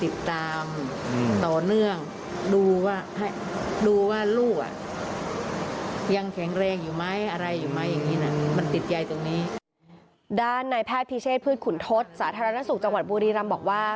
ด้านในแพทย์พิเชษพืชขุนทศสาธารณสุขจังหวัดบุรีรำบอกว่า